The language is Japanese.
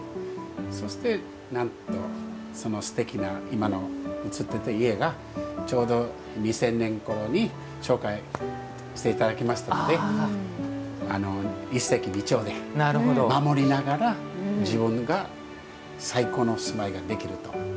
そして、なんと、そのすてきな今の映ってた家がちょうど２０００年ごろに紹介していただきましたので一石二鳥で守りながら、自分が最高の住まいができると。